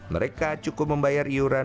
mereka cukup membayar iuran